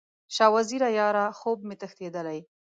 شاه وزیره یاره، خوب مې تښتیدلی